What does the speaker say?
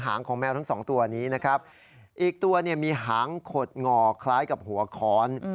หางของแมวทั้งสองตัวนี้นะครับอีกตัวเนี่ยมีหางขดงอคล้ายกับหัวค้อน